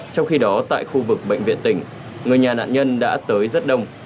trong khi đó tại khu vực bệnh viện tỉnh người nhà nạn nhân đã tới rất đông